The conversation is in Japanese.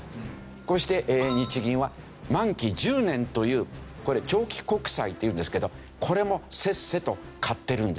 こうして日銀は満期１０年というこれ「長期国債」というんですけどこれもせっせと買ってるんですね。